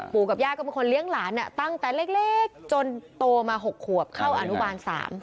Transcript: กับย่าก็เป็นคนเลี้ยงหลานตั้งแต่เล็กจนโตมา๖ขวบเข้าอนุบาล๓